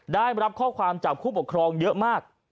ได้รับข้อความจากผู้ปกครองเยอะมาก